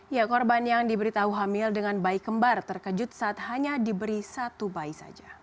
ya korban yang diberitahu hamil dengan bayi kembar terkejut saat hanya diberi satu bayi saja